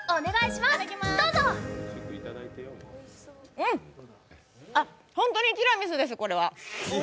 うん、あっ、本当にティラミスです、これは。